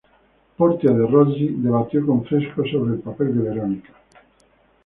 Portia de Rossi debatió con Fresco sobre el papel de Verónica.